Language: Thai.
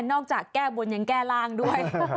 จากแก้บนยังแก้ร่างด้วย